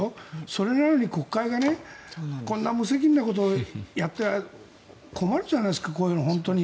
それなのに国会がこんな無責任なことをやって困るじゃないですかこういうの本当に。